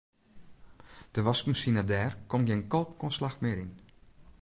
De waskmasine dêr komt gjin kalkoanslach mear yn.